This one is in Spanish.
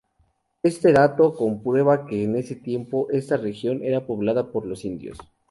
Este dato comprueba que en ese tiempo, esta región era poblada por los indios.